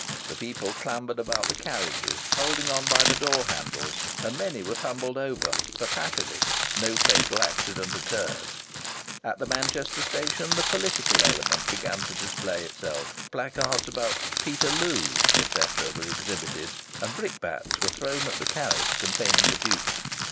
The people clambered about the carriages, holding on by the door handles, and many were tumbled over; but, happily no fatal accident occurred. At the Manchester station, the political element began to display itself; placards about "Peterloo," etc., were exhibited, and brickbats were thrown at the carriage containing the Duke.